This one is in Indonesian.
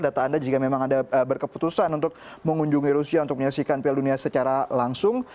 data anda jika memang anda berkeputusan untuk mengunjungi rusia untuk menyaksikan piala dunia secara langsung